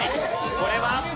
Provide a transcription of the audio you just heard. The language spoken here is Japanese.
これは。